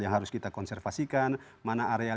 yang harus kita konservasikan mana area